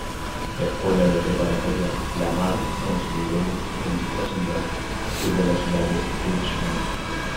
La Escuela Preparatoria Lamar Consolidated en Rosenberg sirve a la ciudad de Richmond.